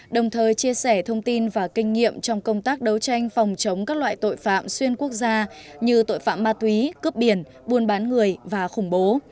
đồng thời chia sẻ thông tin và kinh nghiệm trong công tác đấu tranh phòng chống các loại tội phạm xuyên quốc gia như tội phạm ma túy cướp biển buôn bán người và khủng bố